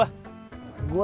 jemput gue ya